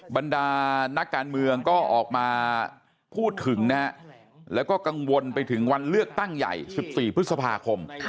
บรรดานักการเมืองก็ออกมาพูดถึงนะฮะแล้วก็กังวลไปถึงวันเลือกตั้งใหญ่๑๔พฤษภาคม